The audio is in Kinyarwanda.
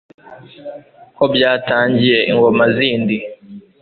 ko byatangiye ingoma zindi